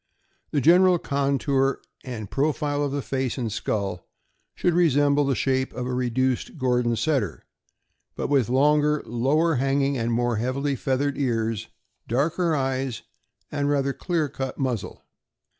The general contour and profile of the face and skull should resemble the shape of a reduced Gordon Setter, but with longer, lower hanging, and more heavily feathered ears, darker eyes, and rather clearer cut muzzle.